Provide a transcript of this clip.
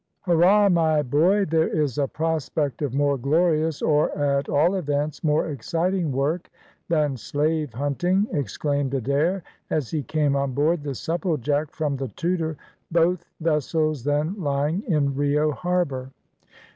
"Hurrah! my boy, there is a prospect of more glorious or, at all events, more exciting work than slave hunting," exclaimed Adair, as he came on board the Supplejack from the Tudor, both vessels then lying in Rio harbour.